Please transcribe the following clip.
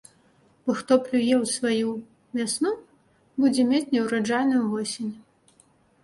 Бо хто плюе ў сваю вясну, будзе мець неўраджайную восень.